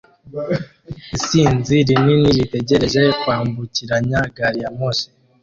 Isinzi rinini ritegereje kwambukiranya gari ya moshi